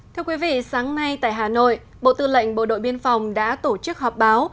thưa quý vị sáng nay tại hà nội bộ tư lệnh bộ đội biên phòng đã tổ chức họp báo